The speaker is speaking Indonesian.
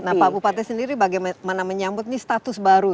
nah pak bupati sendiri bagaimana menyambut ini status baru